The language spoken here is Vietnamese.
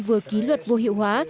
vừa ký luật vô hiệu hóa